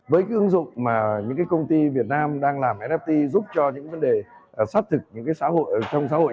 với ứng dụng mà những công ty việt nam đang làm nft giúp cho những vấn đề xác thực trong xã hội